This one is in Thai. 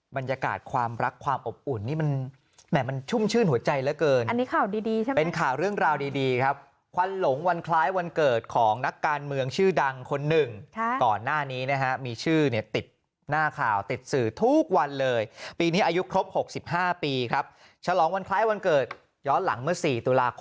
บรรยากาศความรักความอบอุ่นนี่มันแหม่มันชุ่มชื่นหัวใจเหลือเกินอันนี้ข่าวดีใช่ไหมเป็นข่าวเรื่องราวดีครับควันหลงวันคล้ายวันเกิดของนักการเมืองชื่อดังคนหนึ่งก่อนหน้านี้นะฮะมีชื่อเนี่ยติดหน้าข่าวติดสื่อทุกวันเลยปีนี้อายุครบ๖๕ปีครับฉลองวันคล้ายวันเกิดย้อนหลังเมื่อ๔ตุลาคม